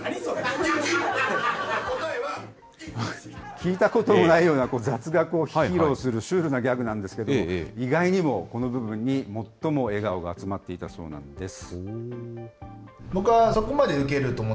聞いたこともないような雑学を披露するシュールなギャグなんですけれども、意外にもこの部分に最も笑顔が集まっていたそうなんです。